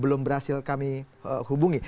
belum berhasil kami hubungi